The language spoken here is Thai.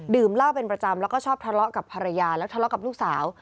เหล้าเป็นประจำแล้วก็ชอบทะเลาะกับภรรยาแล้วทะเลาะกับลูกสาว